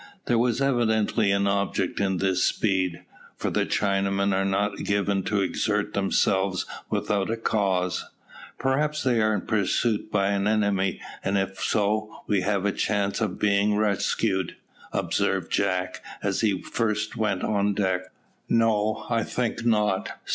There was evidently an object in this speed, for the Chinamen are not given to exert themselves without a cause. "Perhaps they are pursued by an enemy, and if so, we have a a chance of being rescued," observed Jack, as he first went on deck. "No, I think not.